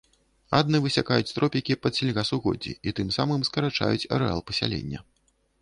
Адны высякаюць тропікі пад сельгасугоддзі і тым самым скарачаюць арэал пасялення.